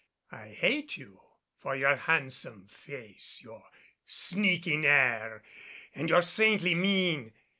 I hate you for your handsome face, your sneaking air and your saintly mien.